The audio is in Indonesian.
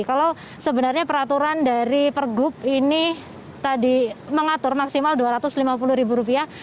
kalau sebenarnya peraturan dari pergub ini tadi mengatur maksimal dua ratus lima puluh ribu rupiah